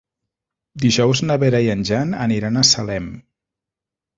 Dijous na Vera i en Jan aniran a Salem.